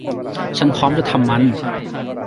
ฉันพร้อมจะทำมัน